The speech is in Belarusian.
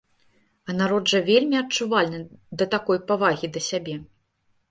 А народ жа вельмі адчувальны да такой павагі да сябе.